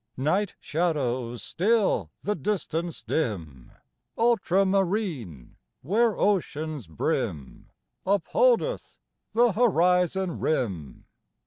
Night shadows still the distance dim (Ultra marine) where ocean's brim Upholdeth the horizon rim.